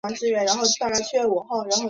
临时观光列车四万小火车停靠站。